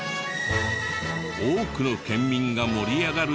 多くの県民が盛り上がる駅伝だけど。